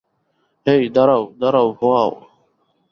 হেই, দাঁড়াও, দাঁড়াও, হোয়া!